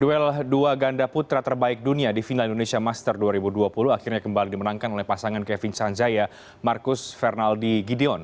duel dua ganda putra terbaik dunia di final indonesia master dua ribu dua puluh akhirnya kembali dimenangkan oleh pasangan kevin sanjaya marcus fernaldi gideon